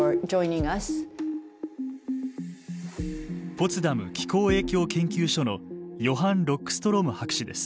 ポツダム気候影響研究所のヨハン・ロックストローム博士です。